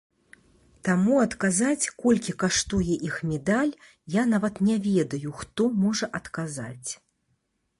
Таму адказаць, колькі каштуе іх медаль, я нават не ведаю, хто можа адказаць.